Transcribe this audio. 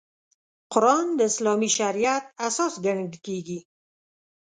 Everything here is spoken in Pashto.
قران د اسلامي شریعت اساس ګڼل کېږي.